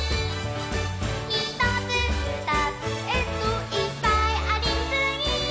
「ひとつふたつえっといっぱいありすぎー！！」